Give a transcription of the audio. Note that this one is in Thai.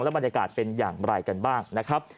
บรรยากาศเป็นอย่างไรกันบ้างนะครับ